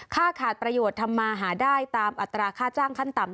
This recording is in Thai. ขาดประโยชน์ทำมาหาได้ตามอัตราค่าจ้างขั้นต่ำ